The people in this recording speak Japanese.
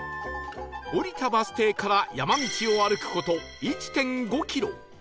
降りたバス停から山道を歩く事 １．５ キロ